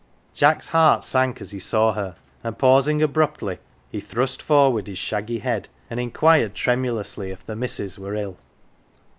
Jack's heart sank as he saw her; and pausing abruptly, he thrust forward his shaggy head and inquired tremulously if the missus were ill.